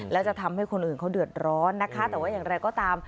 และจะทำให้คนอื่นเขาเดือดร้อนนะคะแต่ว่าอย่างไรก็ตาม